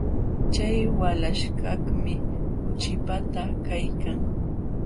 Chay walaśhkaqmi kuchipata kaykan.